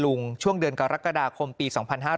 ช่วงเดือนกรกฎาคมปี๒๕๕๙